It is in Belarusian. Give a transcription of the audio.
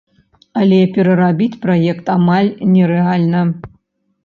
Але перарабіць праект амаль нерэальна.